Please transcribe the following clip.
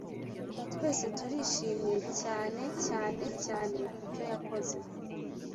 twese turishimye cyane, cyane cyane kubyo yakoze.